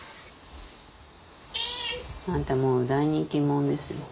あんたもう大人気者ですよ。